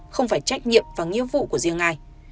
không phải trách nhiệm và nghĩa vụ của riêng ai